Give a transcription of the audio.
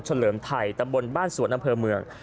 ลำบานสุวรรณ์ก้าวเฉลิมไทยดำบลบ้านสวนอำเภอเมือง